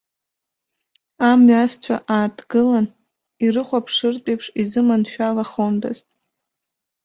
Амҩасцәа ааҭгылан ирыхәаԥшыртә еиԥш изыманшәалахондаз!